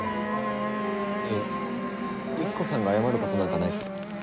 いえユキコさんが謝ることなんかないっす。